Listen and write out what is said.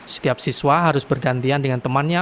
setiap siswa harus bergantian dengan temannya